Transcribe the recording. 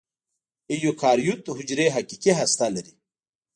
ایوکاریوت حجرې حقیقي هسته لري.